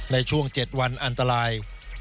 ในช่วง๗วันอันตราย